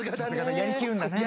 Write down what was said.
やりきるんだね。